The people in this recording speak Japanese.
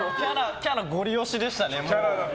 キャラゴリ押しでしたね。